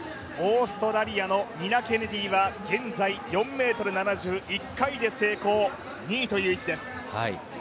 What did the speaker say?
オーストラリアのニナ・ケネディは現在４ｍ７０１回で成功、２位という位置です。